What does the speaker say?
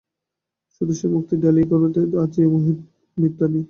শুধু সে মুক্তির ডালিখানি ভরিয়া দিলাম আজি আমার মহৎ মৃত্যু আনি।